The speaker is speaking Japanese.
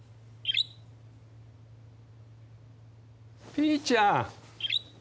ピーちゃん！